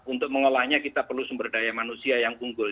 untuk mengolahnya kita perlu sumber daya manusia yang unggul